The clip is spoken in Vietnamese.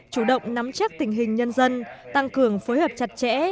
chủ động nắm chắc tình hình nhân dân tăng cường phối hợp chặt chẽ